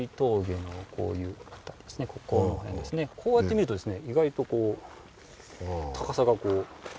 こうやって見ると意外と高さがこう。